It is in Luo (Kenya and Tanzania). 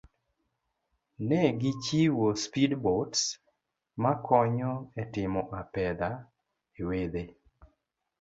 Nende gichiwo speed boats makonyo etimo apedha ewedhe.